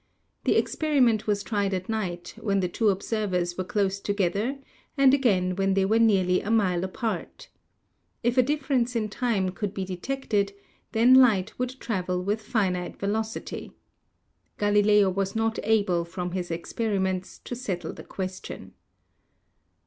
The experiment was tried at night, when the two observers were close to gether and again when they were nearly a mile apart. If a difference in time could be detected, then light wouldi travel with finite velocity. Galileo was not able from his experiments to settle the question.